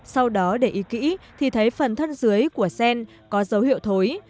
sau đó để ý kỹ thì thấy phần thân dưới của sen có dấu hiệu thối